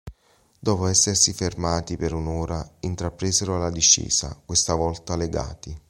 Dopo essersi fermati per un'ora, intrapresero la discesa, questa volta legati.